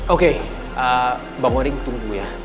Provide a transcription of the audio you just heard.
oke bang waring tunggu ya